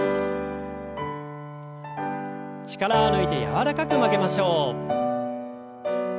力を抜いて柔らかく曲げましょう。